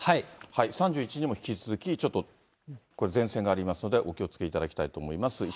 ３１日も引き続き、ちょっと前線がありますのでお気をつけいただきたいと思います。